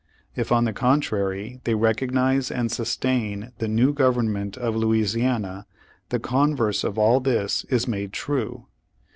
If, on the contrary, they recognize and sustain the new government of Louisiana, the converse of all this is made true.